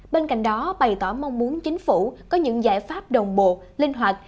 bên cạnh đó bày tỏ mong muốn chính phủ có những giải pháp đồng bộ linh hoạt